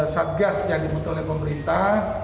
satgas yang dibutuhkan oleh pemerintah